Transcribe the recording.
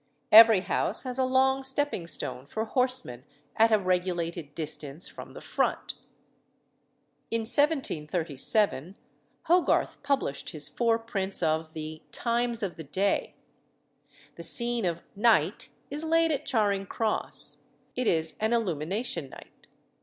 Every house has a long stepping stone for horsemen at a regulated distance from the front. In 1737 Hogarth published his four prints of the "Times of the Day." The scene of Night is laid at Charing Cross; it is an illumination night.